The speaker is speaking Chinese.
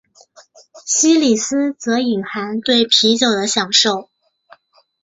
西里斯则隐含对啤酒的享受。